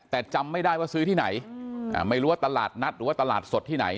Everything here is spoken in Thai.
แต่จำไม่ได้ว่าซื้อที่ไหนไม่รู้ว่าตลาดนัดหรือว่าตลาดสดที่ไหน